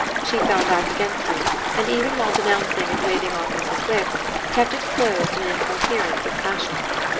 She fell back against it and, even while denouncing and waving off Mrs. Wix, kept it closed in an incoherence of passion.